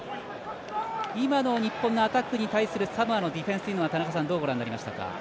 今の日本のアタックに対するサモアのディフェンスというのはどうご覧になりましたか？